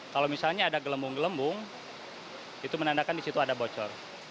kalau misalnya ada gelembung gelembung itu menandakan di situ ada bocor